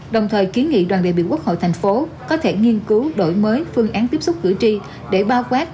đồng thời kiến nghị đoàn đại biểu quốc hội thành phố có thể nghiên cứu đổi mới phương án tiếp xúc cử tri để bao quát